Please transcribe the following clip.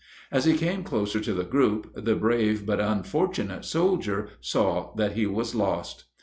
As he came closer to the group, the brave but unfortunate soldier saw that he was lost.